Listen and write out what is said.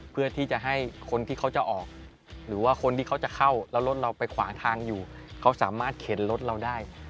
เพื่อที่จะให้คนที่เขาจะออกหรือว่าคนที่เขาจะเข้าแล้วรถเราไปขวางทางอยู่เขาสามารถเข็นรถเราได้